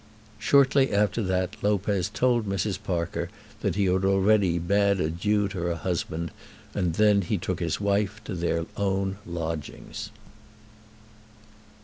Shortly after that Lopez told Mrs. Parker that he had already bade adieu to her husband, and then he took his wife to their own lodgings.